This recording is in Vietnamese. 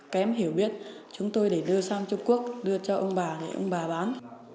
kém hiểu biết chúng tôi để đưa sang trung quốc đưa cho ông bà để ông bà bán